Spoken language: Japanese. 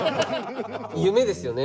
夢ですよね